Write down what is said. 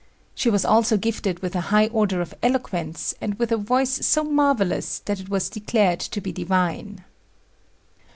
She was also gifted with a high order of eloquence and with a voice so marvelous that it was declared to be "divine."